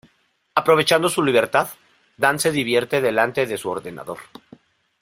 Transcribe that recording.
Aprovechando su libertad, Dan se divierte delante de su ordenador.